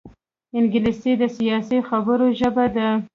انګلیسي د سیاسي خبرو ژبه ده